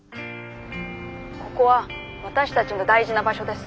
「ここは私たちの大事な場所です。